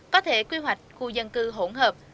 có thể quy hoạch khu dân cư hỗn hợp